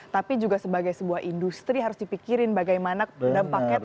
tapi juga sebagai sebuah industri harus dipikirin bagaimana dampaknya terhadap